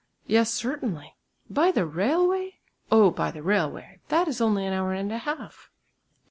"Yes, certainly." "By the railway?" "Oh! by the railway, that is only an hour and a half."